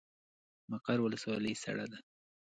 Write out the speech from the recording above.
مقر ولسوالۍ سړه ده؟